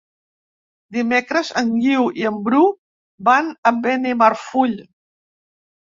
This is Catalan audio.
Dimecres en Guiu i en Bru van a Benimarfull.